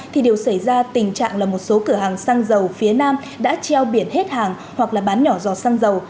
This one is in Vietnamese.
thì đều xảy ra tình trạng là một số cửa hàng xăng dầu phía nam đã treo biển hết hàng hoặc là bán nhỏ dò xăng dầu